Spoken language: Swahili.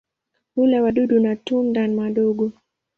Hula wadudu na tunda madogo.